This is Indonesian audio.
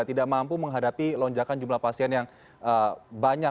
tidak mampu menghadapi lonjakan jumlah pasien yang banyak